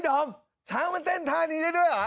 ดอมช้างมันเต้นท่านี้ได้ด้วยเหรอ